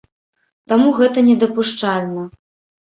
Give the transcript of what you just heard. Таму гэта не дапушчальна.